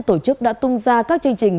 tổ chức đã tung ra các chương trình